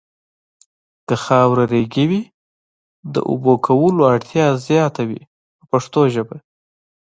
که خاوره ریګي وي د اوبو کولو اړتیا یې زیاته وي په پښتو ژبه.